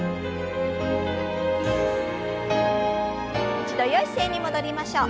一度よい姿勢に戻りましょう。